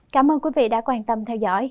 cảm ơn quý vị đã quan tâm theo dõi